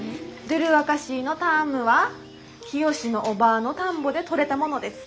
ドゥルワカシーの田芋はキヨシのおばぁの田んぼで取れたものです。